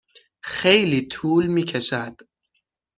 خیلی طول می کشد.